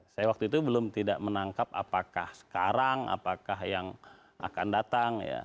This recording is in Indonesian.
saya waktu itu belum tidak menangkap apakah sekarang apakah yang akan datang ya